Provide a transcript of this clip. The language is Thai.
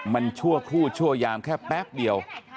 มันชั่วครู่ชั่วยามแค่แป๊บเดียว